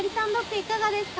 いかがですか？